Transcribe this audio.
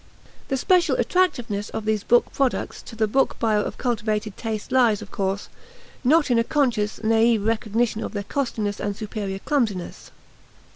The special attractiveness of these book products to the book buyer of cultivated taste lies, of course, not in a conscious, naive recognition of their costliness and superior clumsiness.